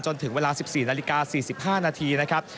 จนถึงเวลา๑๔นาฬิกา๔๕นาทีนะครับ